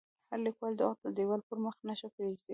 هر لیکوال د وخت د دیوال پر مخ نښه پرېږدي.